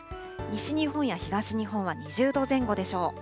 西日本や東日本は２０度前後でしょう。